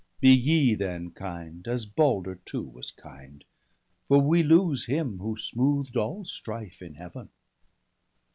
Be ye then kind, as Balder too was kind ! For we lose him, who smoothed all strife in Heaven.'